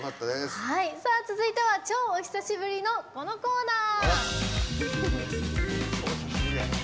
続いては超お久しぶりのこのコーナー。